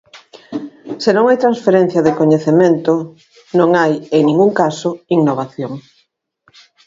Se non hai transferencia de coñecemento, non hai, en ningún caso, innovación.